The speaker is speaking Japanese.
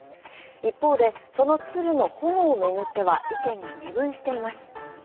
一方で、その鶴の保護を巡っては意見が二分しています。